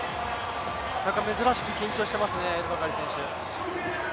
珍しく緊張してますね、エルバカリ選手。